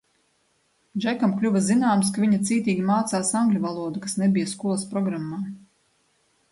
Džekam kļuva zināms, ka viņa cītīgi mācās angļu valodu, kas nebija skolas programmā.